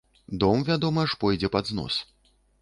Дом, вядома ж, пойдзе пад знос.